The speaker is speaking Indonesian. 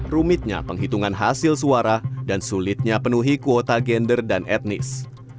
rumitnya penghitungan hasil suara dan sulitnya penuhi kuota gender dan etnis